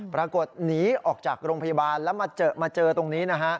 ปรากฏหนีออกจากโรงพยาบาลแล้วมาเจอมาเจอตรงนี้นะฮะ